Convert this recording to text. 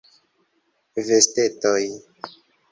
Vestetoj.